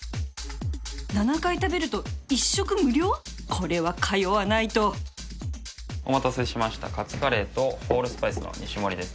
これは通わないとお待たせしましたカツカレーとホールスパイスの２種盛です。